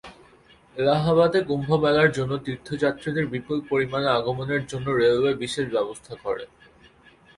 এলাহাবাদে কুম্ভ মেলার জন্য তীর্থযাত্রীদের বিপুল পরিমাণে আগমনের জন্য রেলওয়ে বিশেষ ব্যবস্থা করে।